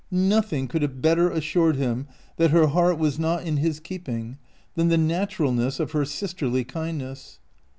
Nothing could have better assured him that her heart was not in his keeping than the naturalness of her sisterly kindness.